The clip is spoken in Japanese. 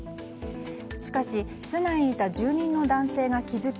しかし、室内にいた住人の男性が気付き